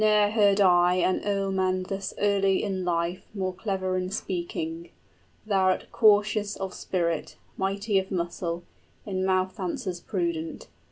} Ne'er heard I an earlman thus early in life More clever in speaking: thou'rt cautious of spirit, Mighty of muscle, in mouth answers prudent.